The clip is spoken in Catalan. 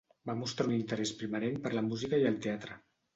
Va mostrar un interès primerenc per la música i el teatre.